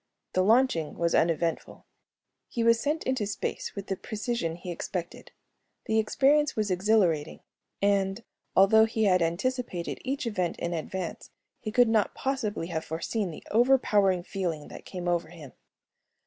The launching was uneventful. He was sent into space with the precision he expected. The experience was exhilarating and, although he had anticipated each event in advance, he could not possibly have foreseen the overpowering feeling that came over him.